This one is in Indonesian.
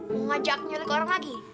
mau ngajak nyelek orang lagi